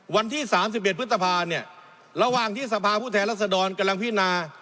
วันที่๓๑พฤษภาเนี่ยระหว่างที่สภาผู้แทนรัศดรกำลังพินา